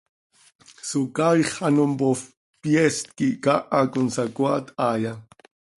¿Socaaix ano mpoofp, pyeest quih caaha consacoaat haaya?